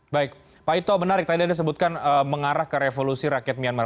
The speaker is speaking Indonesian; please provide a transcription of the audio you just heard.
baik pak ito menarik tadi anda sebutkan mengarah ke revolusi rakyat myanmar